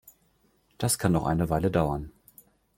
Das kann noch eine Weile dauern.